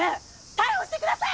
逮捕してください！